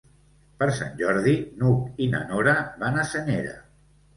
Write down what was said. Per Sant Jordi n'Hug i na Nora van a Senyera.